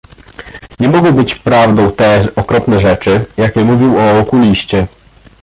"Nie mogą być prawdą te okropne rzeczy, jakie mówił o okuliście."